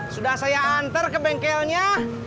sudah saya antar ke bengkelnya